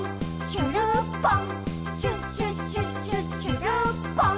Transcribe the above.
しゅるっぽん！」